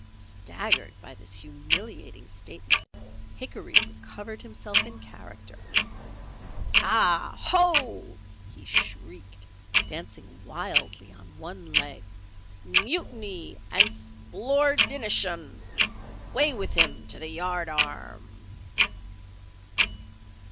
Staggered by this humiliating statement, Hickory recovered himself in character. "Ah! Ho!" he shrieked, dancing wildly on one leg, "Mutiny and Splordinashun! Way with him to the yard arm."